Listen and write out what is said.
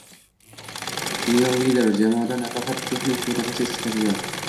Senior lider jamoada nafaqat texnik mutaxassis sifatida